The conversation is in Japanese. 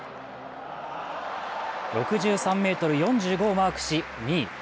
６３ｍ４５をマークし２位。